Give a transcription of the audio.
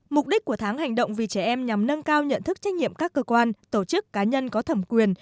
mục đích của tháng hành động vì trẻ em nhằm nâng cao nhận thức trách nhiệm các cơ quan tổ chức cá nhân có thẩm quyền